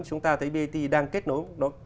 chúng ta thấy brt đang kết nối